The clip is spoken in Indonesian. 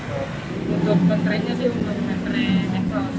untuk mentrenya sih untuk mentren mentros